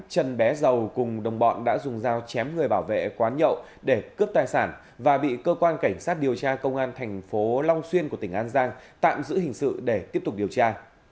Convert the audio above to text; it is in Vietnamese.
trần bé dầu cùng đồng bọn đã dùng dao chém người bảo vệ quán nhậu để cướp tài sản và bị cơ quan cảnh sát điều tra công an thành phố long xuyên của tỉnh an giang tạm giữ hình sự để tiếp tục điều tra